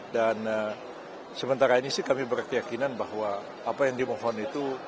dan sementara ini sih kami berkeyakinan bahwa apa yang dimohon itu